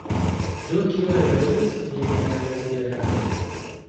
Do kio allogis ilin al Esperanto?